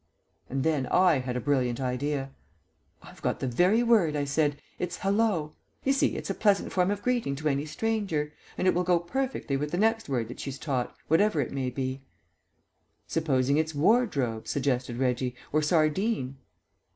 And then I had a brilliant idea. "I've got the very word," I said. "It's 'hallo.' You see, it's a pleasant form of greeting to any stranger, and it will go perfectly with the next word that she's taught, whatever it may be." "Supposing it's 'wardrobe,'" suggested Reggie, "or 'sardine'?"